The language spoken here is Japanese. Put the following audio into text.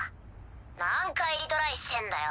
何回リトライしてんだよ。